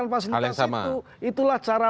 telepasilitas itu hal yang sama itulah cara